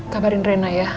kabarin rena ya